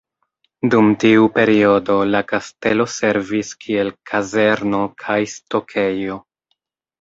Dum tiu periodo la kastelo servis kiel kazerno kaj stokejo.